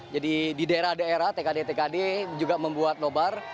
jadi di daerah daerah tkd tkd juga membuat nol bar